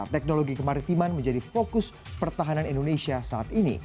teknologi kemaritiman menjadi fokus pertahanan indonesia saat ini